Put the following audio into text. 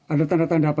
ada tanda tanda apa